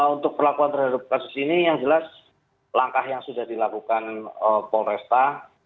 untuk perlakuan terhadap kasus ini yang jelas langkah yang sudah dilakukan polresta